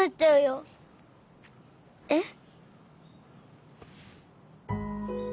えっ？